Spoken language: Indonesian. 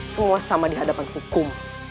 semua sama di hadapan hukum